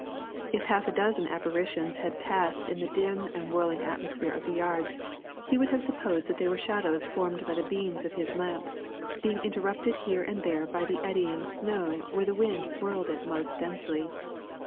If half a dozen apparitions had passed in the dim and whirling atmosphere of the yards, he would have supposed that they were shadows formed by the beams of his lamp, being interrupted here and there by the eddying snow where the wind whirled it most densely.